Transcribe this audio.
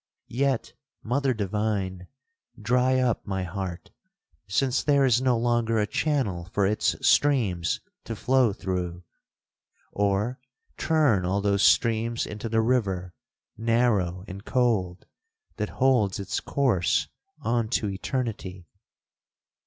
Yet, mother divine! dry up my heart, since there is no longer a channel for its streams to flow through!—or turn all those streams into the river, narrow and cold, that holds its course on to eternity!